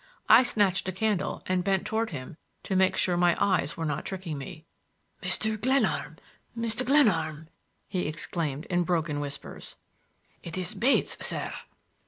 I snatched a candle and bent toward him to make sure my eyes were not tricking me. "Mr. Glenarm! Mr. Glenarm!" he exclaimed in broken whispers. "It is Bates, sir."